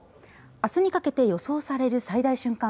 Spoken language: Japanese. あすにかけて予想される最大瞬間